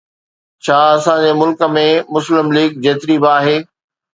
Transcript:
ڇا اسان جي ملڪ ۾ مسلم ليگ جيتري به آهي؟